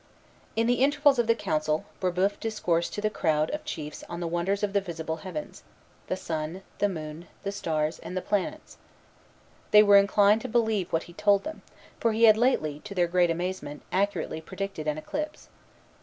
In the intervals of the council, Brébeuf discoursed to the crowd of chiefs on the wonders of the visible heavens, the sun, the moon, the stars, and the planets. They were inclined to believe what he told them; for he had lately, to their great amazement, accurately predicted an eclipse.